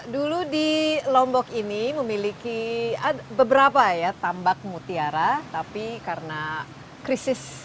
dulu di lombok ini memiliki beberapa ya tambak mutiara tapi karena krisis